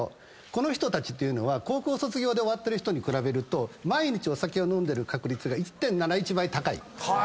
この人たちっていうのは高校卒業で終わってる人に比べると毎日お酒を飲んでる確率が１．７１倍高い。